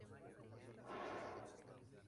El tancredo lo componen una tina y un farol.